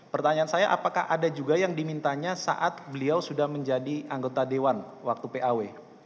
pertanyaan saya apakah ada juga yang dimintanya saat beliau sudah menjadi anggota dewan waktu paw